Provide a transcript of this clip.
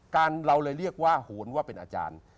เราเลยเรียกว่าโหนว่าเป็นอาจารย์